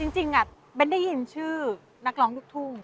จริงเบ้นได้ยินชื่อนักร้องลูกทุ่ง